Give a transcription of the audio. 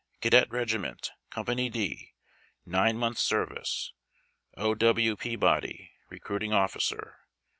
C^DET REGIiVd:E:NrT, Company D, NINE MONTHS' SERVICE. O. "W. PEABODY .... Recruiting Officer.